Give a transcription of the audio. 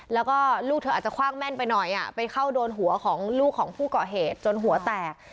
แล้วก็ลูกเธออาจจะคว่างแม่นไปหน่อยไปเข้าโดนหัวของลูกของผู้เกาะเหตุจนหัวแตก